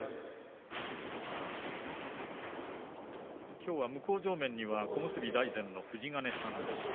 きょうは向正面には小結大善の富士ヶ根さんです。